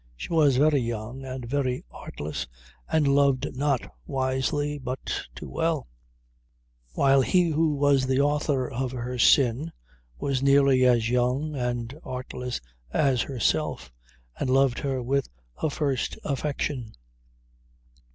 She was very young, and very artless, and loved not wisely but too well; while he who was the author of her sin, was nearly as young and artless as herself, and loved her with a first affection.